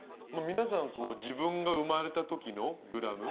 皆さんこう自分が生まれた時のグラムを。